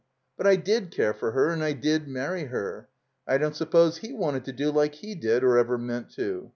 But I did care for her, and I did marry her. I don't suppose he wanted to do like he did or ever meant to.